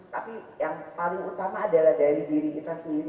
tapi yang paling utama adalah dari diri kita sendiri